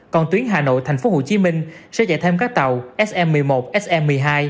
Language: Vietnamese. còn tuyến hà nội thành phố hồ chí minh sẽ chạy thêm các tàu sm một mươi một sm một mươi hai